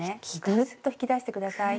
ぐっと引き出して下さい。